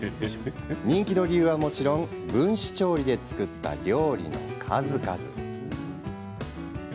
人気の理由はもちろん分子調理で作った料理の数々。